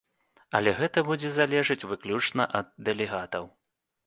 Але гэта будзе залежыць выключна ад дэлегатаў.